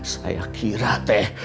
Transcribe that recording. saya kira teh